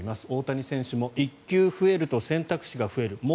大谷選手も１球増えると選択肢が増える